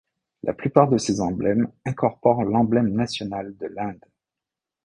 La plupart de ces emblèmes incorporent l'emblème national de l'Inde.